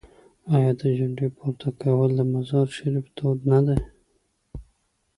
آیا د جنډې پورته کول د مزار شریف دود نه دی؟